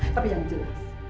tapi yang jelas